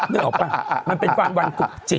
นึกออกป่ะมันเป็นวันกุกจิต